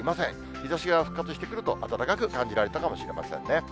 日ざしが復活してくると、暖かく感じられたかもしれませんね。